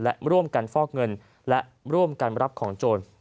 และร่วมกันฟอกเงินและร่วมกันรับของโจร